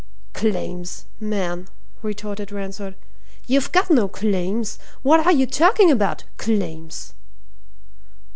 "Claims, man!" retorted Ransford. "You've got no claims! What are you talking about? Claims!"